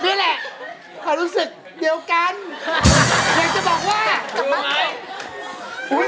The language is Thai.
เป็นยังไงรู้สึกเป็นยังไง